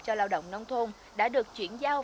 cho lao động nông thôn đã được chuyển giao